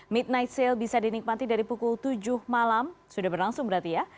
midnight sale bisa dinikmati dari pukul tujuh malam sudah berlangsung berarti ya